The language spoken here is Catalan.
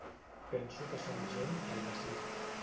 Penso que som gent del de circ.